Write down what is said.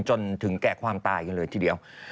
จนถึงแก่ความตายกันเลยทีเดียว